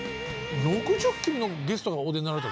６０組のゲストがお出になられた？